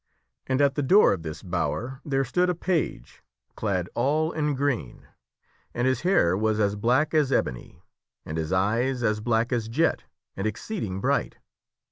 And at the door of this bower there stood a page, clad all in green, and his hair was as black as ebony, and his eyes as black as jet and exceeding bright.